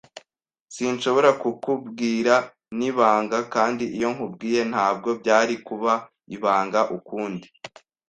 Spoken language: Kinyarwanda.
Sinshobora kukubwira. Nibanga kandi iyo nkubwiye, ntabwo byari kuba ibanga ukundi.